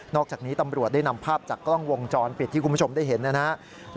อกจากนี้ตำรวจได้นำภาพจากกล้องวงจรปิดที่คุณผู้ชมได้เห็นนะครับ